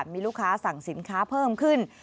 มีลูกค้าสั่งสินค้าเพิ่มขึ้น